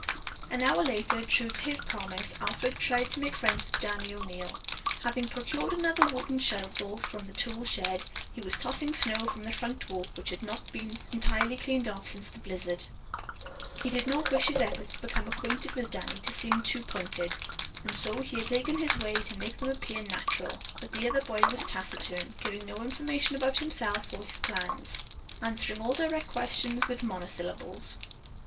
An hour later, true to his promise, Alfred tried to make friends with Danny O'Neil. Having procured another wooden shovel from the tool shed, he was tossing snow from the front walk which had not been entirely cleaned off since the blizzard. He did not wish his efforts to become acquainted with Danny to seem too pointed, and so he had taken this way to make them appear natural, but the other boy was taciturn, giving no information about himself or his plans, answering all direct questions with monosyllables.